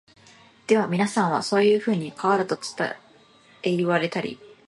ではみなさんは、そういうふうに川だと云いわれたり、